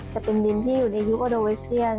จะเป็นดินที่อยู่ในยุคอโดเวชเชียน